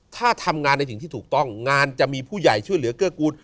ถ้าทำงานในสิ่งที่ถูกต้องงานจะมีผู้ใหญ่ช่วยเหลือเกื้อกูล